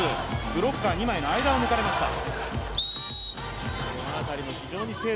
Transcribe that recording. ブロッカー二枚の間を抜かれました。